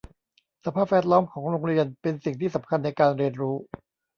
สภาพแวดล้อมของโรงเรียนเป็นสิ่งที่สำคัญในการเรียนรู้